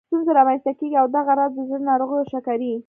ستونزې رامنځته کېږي او دغه راز د زړه ناروغیو او شکرې